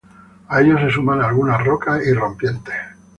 A ellos se suman algunas rocas y rompientes.